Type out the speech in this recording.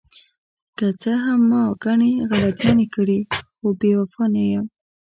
که څه هم ما ګڼې غلطیانې کړې، خو بې وفا نه یم.